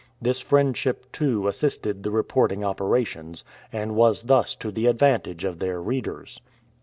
This friendship too assisted the reporting operations, and was thus to the advantage of their readers.